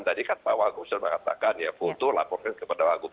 tadi kan pak wak gopsel mengatakan ya butuh melaporkan kepada wak gop